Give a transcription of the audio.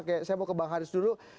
oke saya mau ke bang haris dulu